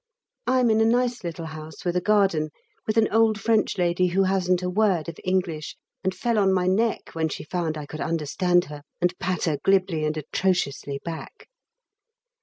I'm in a nice little house with a garden with an old French lady who hasn't a word of English, and fell on my neck when she found I could understand her, and patter glibly and atrociously back.